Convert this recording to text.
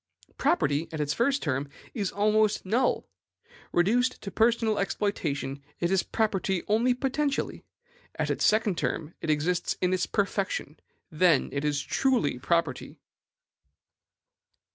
Property, at its first term, is almost null. Reduced to personal exploitation, it is property only potentially. At its second term, it exists in its perfection; then it is truly property.